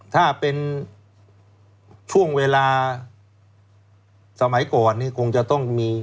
ถ้าเป็นช่วงเวลาสมัยก่อนเนี่ยคงจะต้องมี